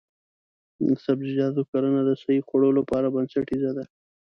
د سبزیجاتو کرنه د صحي خوړو لپاره بنسټیزه ده.